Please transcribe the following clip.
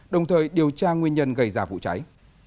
đồng thời điều tra nguyên nhân gây ra vụ cháy